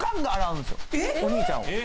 えっ！？お兄ちゃんを。